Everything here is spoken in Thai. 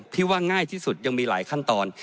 ที่ว่าง่ายที่สุดยังมีหลายขั้นตอน